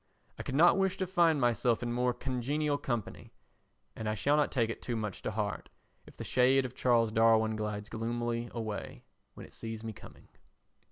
I could not wish to find myself in more congenial company and I shall not take it too much to heart if the shade of Charles Darwin glides gloomily away when it sees me coming.